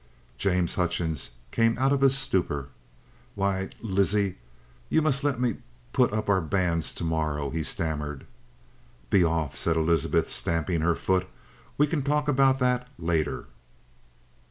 James Hutchings came out of his stupor. "Why, L L Lizzie, you must let me p p put up our b b banns tomorrow," he stammered. "Be off!" said Elizabeth, stamping her foot. "We can talk about that later."